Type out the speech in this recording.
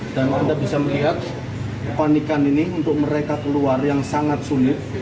dan kita bisa melihat kepanikan ini untuk mereka keluar yang sangat sulit